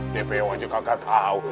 dpo aja kakak tau